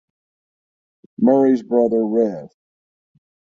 Murray’s brother Rev.